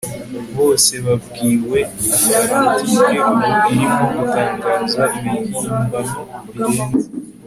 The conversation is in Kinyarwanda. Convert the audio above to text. Bose babwiwe Atlantike ubu irimo gutangaza ibihimbano birenze